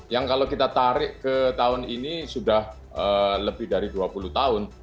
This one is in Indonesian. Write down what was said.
yang kalau kita tarik ke tahun ini sudah lebih dari dua puluh tahun